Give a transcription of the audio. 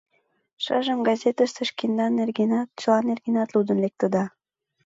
Шыжым газетыште шкендан нергенат, чыла нергенат лудын лектыда...